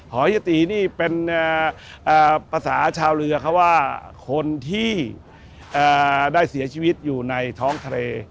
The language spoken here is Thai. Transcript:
ยะตีนี่เป็นภาษาชาวเรือเขาว่าคนที่ได้เสียชีวิตอยู่ในท้องทะเล